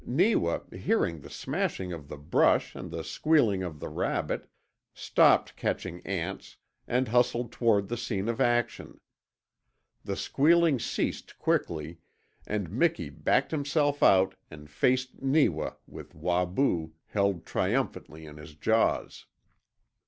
Neewa, hearing the smashing of the brush and the squealing of the rabbit, stopped catching ants and hustled toward the scene of action. The squealing ceased quickly and Miki backed himself out and faced Neewa with Wahboo held triumphantly in his jaws.